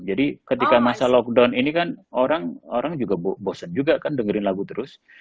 jadi ketika masa lockdown ini kan orang juga bosen juga kan dengerin lagu terus